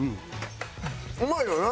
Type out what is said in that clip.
うまいよな？